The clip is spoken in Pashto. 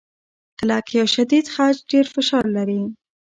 کلک یا شدید خج ډېر فشار لري.